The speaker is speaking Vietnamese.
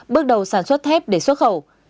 bước đầu sản xuất thép để xuất khẩu